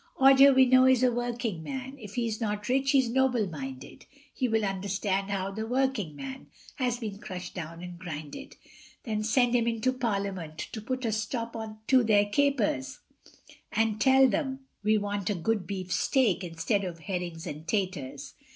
Odger we know is a working man, If he's not rich, he's noble minded, He will understand how the working man Has been crushed down and grinded. Then send him into Parliament, To put a stop to their capers, And tell them we want a good beef steak, Instead of herrings and taters.